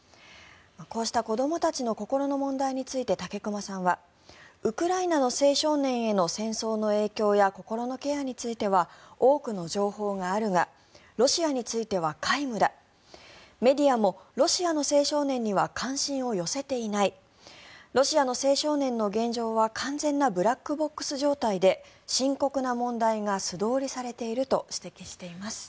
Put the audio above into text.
こうした子どもたちの心の問題について武隈さんはウクライナの青少年への戦争の影響や心のケアについては多くの情報があるがロシアについては皆無だメディアもロシアの青少年には関心を寄せていないロシアの青少年の現状は完全なブラックボックス状態で深刻な問題が素通りされていると指摘されています。